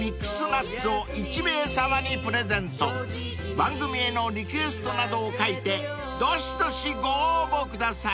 ［番組へのリクエストなどを書いてどしどしご応募ください］